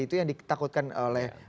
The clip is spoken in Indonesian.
itu yang ditakutkan oleh